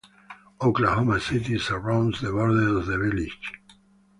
Oklahoma City surrounds the borders of The Village.